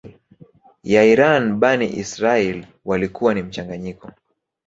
ya Iran Bani Israaiyl walikuwa ni mchanganyiko